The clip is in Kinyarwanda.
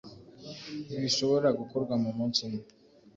ntibishobora gukorwa mu munsi umwe.